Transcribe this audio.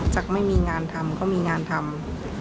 จากไม่มีงานทำก็มีงานทำ